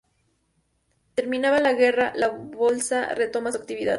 Terminada la guerra, la bolsa retoma su actividad.